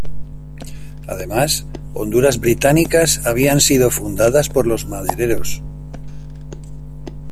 Además, Honduras británicas habían sido fundadas por los madereros.